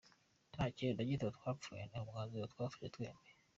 Nta kintu na gito twapfuye, ni umwanzuro twafashe twembi”.